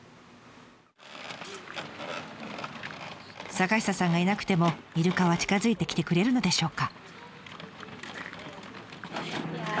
坂下さんがいなくてもイルカは近づいてきてくれるのでしょうか？